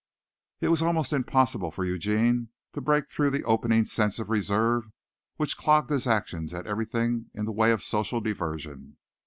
It was almost impossible for Eugene to break through the opening sense of reserve which clogged his actions at everything in the way of social diversion.